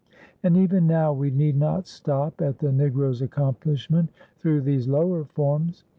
And even now we need not stop at the Negro's accomplishment through these lower forms.